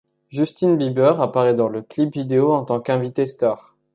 Justin Bieber apparaît dans le clip vidéo en tant qu'invité star.